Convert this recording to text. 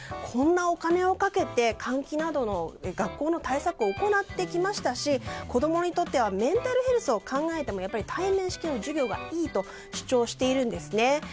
こんなお金をかけて換気などの学校の対策を行ってきましたし子供にとってはメンタルヘルスを考えても対面式の授業がいいと主張しているんですね。